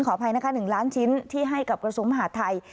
ขออภัยนะคะหนึ่งล้านชิ้นที่ให้กับกระทรมหาดไทย